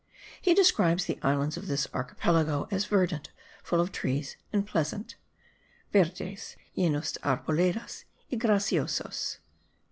He describes the islands of this archipelago as verdant, full of trees and pleasant* (verdes, llenos de arboledas, y graciosos).